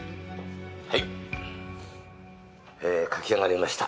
はい、書き上がりました。